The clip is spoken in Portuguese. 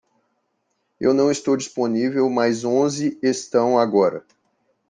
Eu não estou disponível, mas onze estão agora.